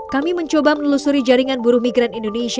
kami mencoba menelusuri jaringan buruh migran indonesia